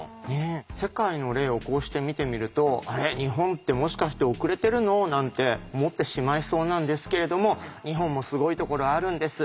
世界の例をこうして見てみると「あれ？日本ってもしかして遅れてるの？」なんて思ってしまいそうなんですけれども日本もすごいところあるんです。